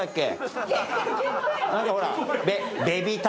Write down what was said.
何かほら。